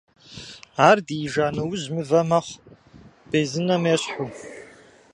Ар диижа нэужь мывэ мэхъу, безынэм ещхьу.